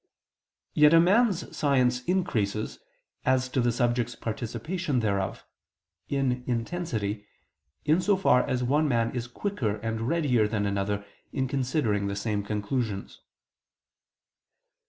Yet a man's science increases, as to the subject's participation thereof, in intensity, in so far as one man is quicker and readier than another in considering the same conclusions.